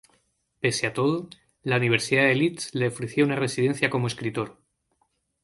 Pese a todo, la universidad de Leeds le ofreció una residencia como escritor.